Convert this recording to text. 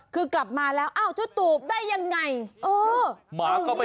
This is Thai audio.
คือกลับมาแล้วอ้าวเจ้าตูบได้ยังไงเออเมา